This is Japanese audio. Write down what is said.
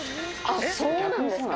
あっそうなんですか。